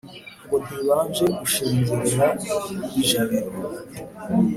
ngo ntibaje gushengerera ijabiro